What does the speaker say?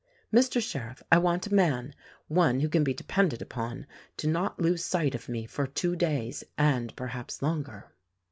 Mr. Sheriff, I want a man— one who can be depended upon— to not lose sight of me for two days — and perhaps longer."